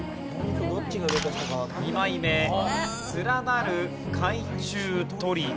２枚目連なる海中鳥居。